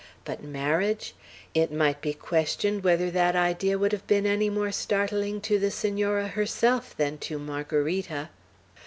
But marriage! It might be questioned whether that idea would have been any more startling to the Senora herself than to Margarita.